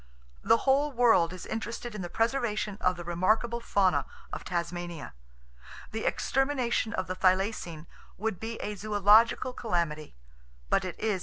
The whole world is interested in the preservation of the remarkable fauna of Tasmania. The extermination of the thylacine would be a zoological calamity; but it is impending.